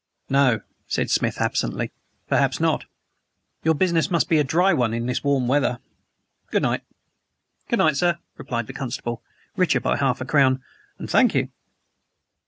"No," said Smith absently; "perhaps not. Your business must be a dry one this warm weather. Good night." "Good night, sir," replied the constable, richer by half a crown "and thank you."